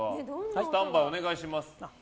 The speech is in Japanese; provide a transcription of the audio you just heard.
スタンバイお願いします。